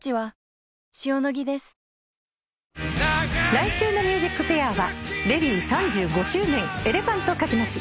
来週の『ＭＵＳＩＣＦＡＩＲ』はデビュー３５周年エレファントカシマシ。